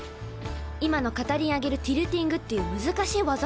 今の片輪上げるティルティングっていう難しい技なの。